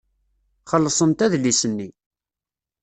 Xellṣent adlis-nni.